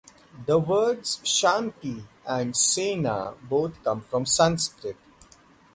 The words "Shanti" and "Sena" both come from Sanskrit.